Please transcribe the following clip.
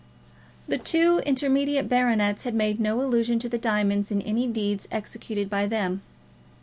The two intermediate baronets had made no allusion to the diamonds in any deeds executed by them.